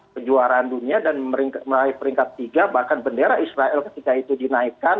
kejuaraan dunia dan meraih peringkat tiga bahkan bendera israel ketika itu dinaikkan